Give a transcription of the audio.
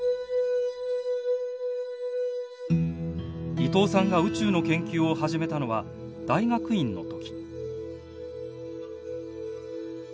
伊藤さんが宇宙の研究を始めたのは大学院の時。